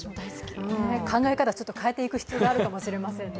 考え方を変えていく必要があるかもしれませんね。